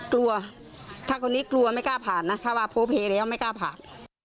กลัวถ้าคนนี้กลัวไม่กล้าผ่านนะถ้าว่าโพเฮแล้วไม่กล้าผ่าน